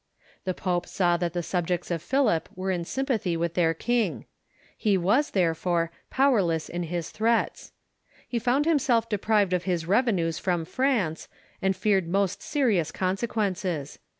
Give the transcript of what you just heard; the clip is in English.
The pope saw that the subjects of Philip were in sympathy with their king. He was, therefore, powerless in his threats. He found himself deprived of his revenues from France, and feared most serious consequences.